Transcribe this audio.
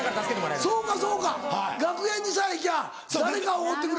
そうかそうか楽屋にさえ行きゃ誰かおごってくれるもんね。